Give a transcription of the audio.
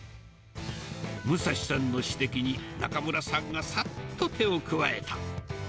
武蔵さんの指摘に、中村さんがさっと手を加えた。